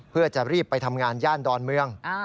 เพื่อจะรีบไปทำงานย่านดอนเมือง